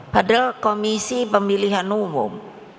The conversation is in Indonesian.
padahal komisi pemilihan umum